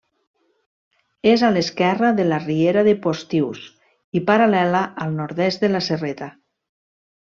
És a l'esquerra de la Riera de Postius, i paral·lela al nord-est de la Serreta.